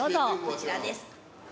こちらです。